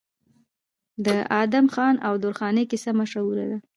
د ادم خان او درخانۍ کیسه مشهوره ده.